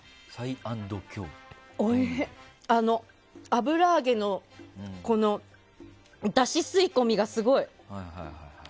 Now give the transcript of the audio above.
油揚げのだし吸い込みがすごい。